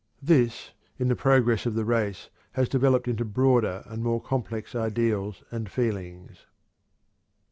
This, in the progress of the race, has developed into broader and more complex ideals and feelings.